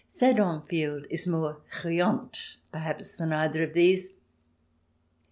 Sedan field is more rtante, perhaps, than either of these.